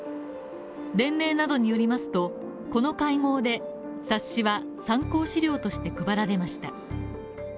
連盟などによりますと、この会合で冊子は参考資料として配られました。